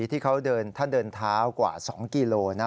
ที่เขาเดินถ้าเดินเท้ากว่า๒กิโลนะ